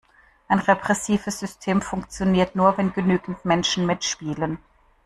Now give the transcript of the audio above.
Ein repressives System funktioniert nur, wenn genügend Menschen mitspielen.